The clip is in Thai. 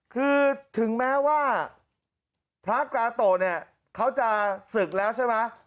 คือถึงแม้ว่าพระกาโตะเนี่ยเขาจะศึกแล้วใช่ไหม